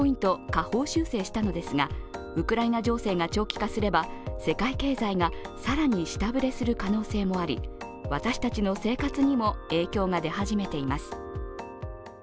下方修正したのですが、ウクライナ情勢が長期化すれば、世界経済が更に下振れする可能性もあり私たちの生活にも影響が出始めています。